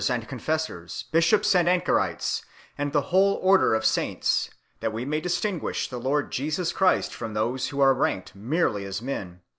401 confessors, bishops and anchorites, and the whole order of saints, that we may distinguish the Lord Jesus Christ from those who are ranked merely as men